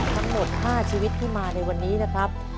ทั้งหมด๕ชีวิตที่มาในวันนี้นะครับ